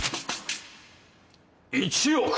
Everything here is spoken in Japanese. １億。